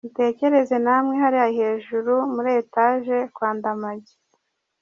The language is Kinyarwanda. Mutekereze namwe hariya hejuru muri etage kwa Ndamage!